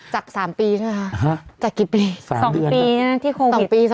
จาก๓ปีใช่ไหมคะจากกี่ปี